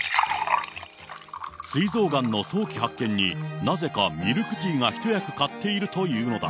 すい臓がんの早期発見に、なぜかミルクティーが一役買っているというのだ。